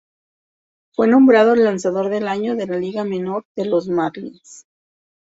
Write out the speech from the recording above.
Fue nombrado el Lanzador del Año de la Liga Menor de los Marlins.